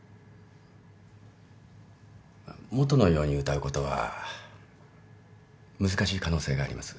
元のように歌うことは難しい可能性があります。